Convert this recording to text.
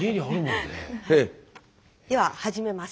では始めます。